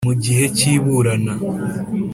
mu gihe cy iburana